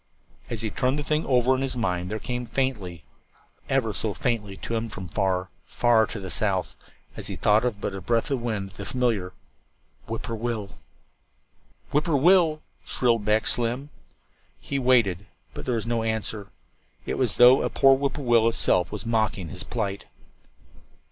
As he turned the thing over in his mind there came faintly, ever so faintly, to him from far, far to the south, as though but a breath of wind, the familiar "Whip poor will." "Whip poor will l l," shrilled back Slim. He waited, but there was no answer. It was as though a whip poor will itself was mocking his plight.